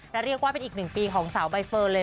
และเรียกว่าเป็นอีกหนึ่งปีของสาวใบเฟิร์นเลย